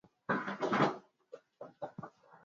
Upande wa kulia alipolala kulikuwa na mkasi na kisu kimoja